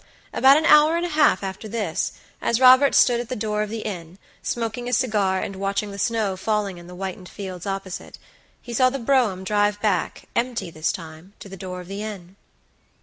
About an hour and a half after this, as Robert stood at the door of the inn, smoking a cigar and watching the snow falling in the whitened fields opposite, he saw the brougham drive back, empty this time, to the door of the inn.